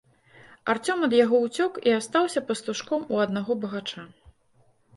Арцём ад яго ўцёк і астаўся пастушком у аднаго багача.